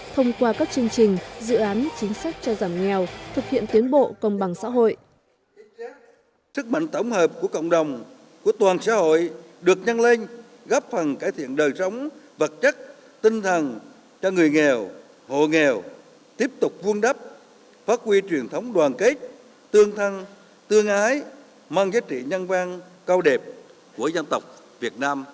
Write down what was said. khi qua các chương trình dự án chính sách cho giảm nghèo thực hiện tiến bộ công bằng xã hội